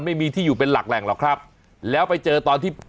ไม่มีที่อยู่เป็นหลักแหล่งหรอกครับแล้วไปเจอตอนที่